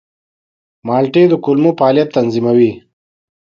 مالټې د کولمو فعالیت تنظیموي.